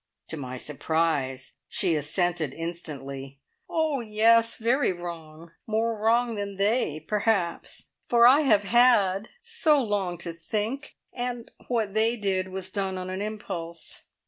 To my surprise she assented instantly. "Oh, yes; very wrong. More wrong than they, perhaps, for I have had so long to think; and what they did was done on an impulse.